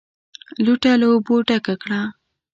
لوټه له اوبو ډکه کړه!